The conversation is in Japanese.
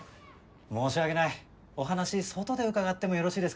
申し訳ないお話外で伺ってもよろしいですか。